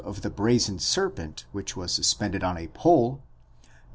of the brazen serpent which was suspended on a pole, Num.